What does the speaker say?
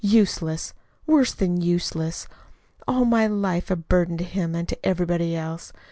Useless, worse than useless all my life a burden to him and to everybody else.